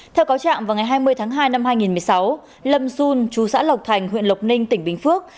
theo cáo trạng vào ngày hai mươi tháng hai năm hai nghìn một mươi sáu lâm dun chú xã lộc thành huyện lộc ninh tỉnh bình phước